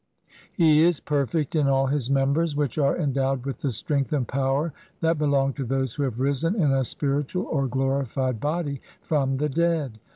He is perfect in all his members, which are endowed with the strength and power that belong to those w 7 ho have risen in a spi ritual or glorified body from the dead.